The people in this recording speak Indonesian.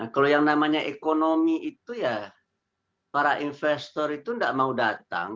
kalau yang namanya ekonomi itu ya para investor itu tidak mau datang